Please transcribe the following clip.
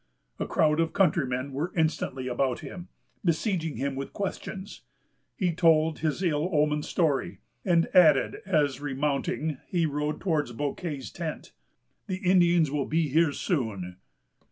A crowd of countrymen were instantly about him, besieging him with questions. He told his ill omened story; and added as, remounting, he rode towards Bouquet's tent, "The Indians will be here soon."